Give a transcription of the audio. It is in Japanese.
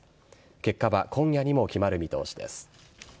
結果は今夜にも決まる見通しです。